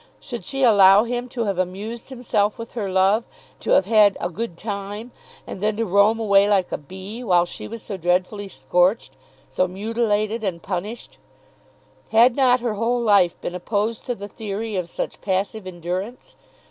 Should she allow him to have amused himself with her love, to have had "a good time," and then to roam away like a bee, while she was so dreadfully scorched, so mutilated and punished! Had not her whole life been opposed to the theory of such passive endurance?